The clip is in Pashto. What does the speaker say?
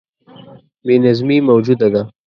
بې نظمي موجوده ده.